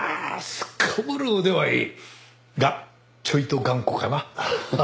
すこぶる腕はいい。がちょいと頑固かな。